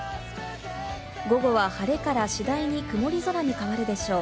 午後は晴れから次第に曇り空に変わるでしょう。